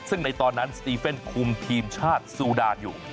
ซึ่งในตอนนั้นสตีเฟ่นคุมทีมชาติซูดานอยู่